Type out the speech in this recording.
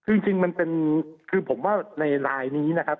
คือจริงมันเป็นคือผมว่าในลายนี้นะครับ